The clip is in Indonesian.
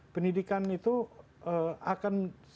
pendidikan itu akan sangat